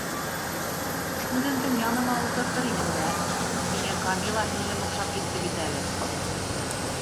Үҙемдең яныма ултыртыр инем дә, миңә Камила һеңлем оҡшап китте бит әле.